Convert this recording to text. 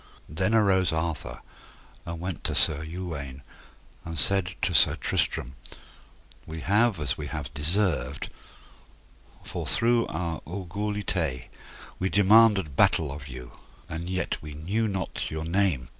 Then arose Arthur and went to Sir Uwaine, and said to Sir Tristram: We have as we have deserved, for through our orgulyté we demanded battle of you, and yet we knew not your name.